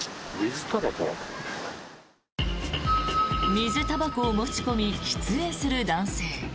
水たばこを持ち込み喫煙する男性。